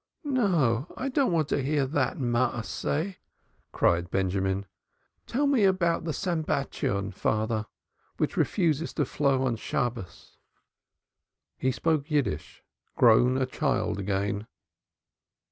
"No, I don't want to hear that Maaseh," cried Benjamin. "Tell me about the Sambatyon, father, which refuses to flow on Shabbos." He spoke Yiddish, grown a child again.